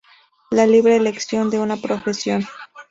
La libre elección de una profesión.